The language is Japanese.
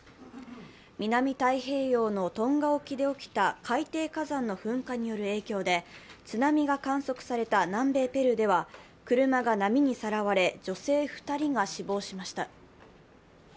南太平洋のトンガ沖でできた海底火山の噴火による影響で津波が観測された南米ペルーでは車が波にさらわれ女性２人が死亡しました。